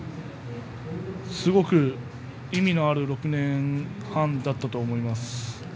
すごく意味のある６年半だったと思います。